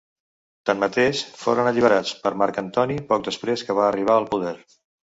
Tanmateix, foren alliberats per Marc Antoni poc després que va arribar al poder.